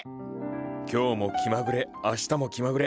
今日も気まぐれ明日も気まぐれ。